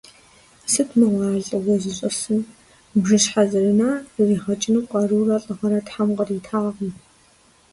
Сыт мыгъуэ ар лӀыуэ зищӀысыр, – бжыщхьэ зэрына зэригъэкӀыну къарурэ лӀыгъэрэ Тхьэм къритакъым.